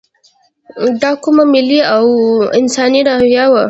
دا کومه ملي او انساني روحیه وه.